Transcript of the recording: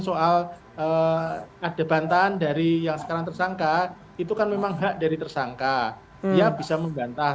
soal ada bantahan dari yang sekarang tersangka itu kan memang hak dari tersangka ya bisa membantah